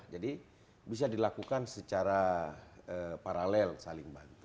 jadi bisa dilakukan secara paralel saling bantu